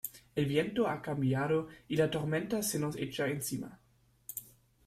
el viento ha cambiado y la tormenta se nos echa encima.